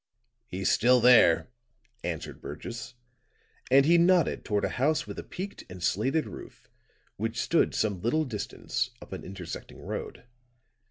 "He's still there," answered Burgess, and he nodded toward a house with a peaked and slated roof which stood some little distance up an intersecting road.